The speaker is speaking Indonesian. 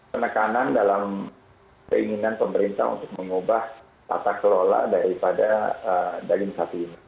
penekanan dalam keinginan pemerintah untuk mengubah tata kelola daripada daging sapi ini